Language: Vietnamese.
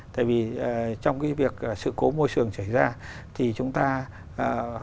tại vì trong cái việc sự cố môi trường xảy ra thì chúng ta không nên